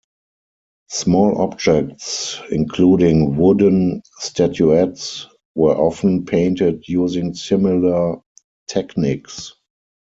Small objects including wooden statuettes were often painted using similar techniques.